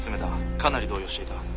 かなり動揺していた。